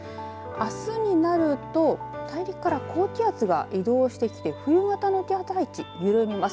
あすになると大陸から高気圧が移動してきて冬型の気圧配置、緩みます。